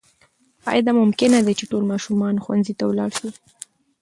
آیا دا ممکنه ده چې ټول ماشومان ښوونځي ته ولاړ سي؟